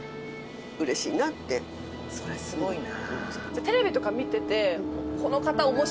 それすごいな。